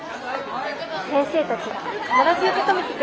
先生たちが必ず受け止めてくれます。